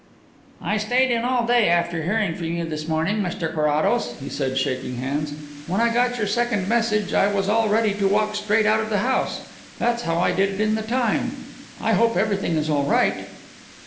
"I stayed in all day after hearing from you this morning, Mr Carrados," he said, shaking hands. "When I got your second message I was all ready to walk straight out of the house. That's how I did it in the time. I hope everything is all right?"